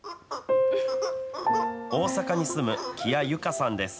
大阪に住む木屋有加さんです。